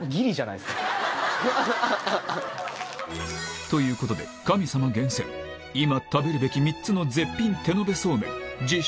ハハハ。ということで神様厳選今食べるべき３つの絶品手延べそうめん実